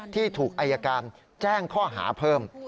ที่ถูกอายการแจ้งข้อหาเพิ่ม